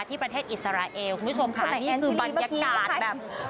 ที่ประเทศอิสราเอลคุณผู้ชมค่ะนี่คือบรรยากาศแบบ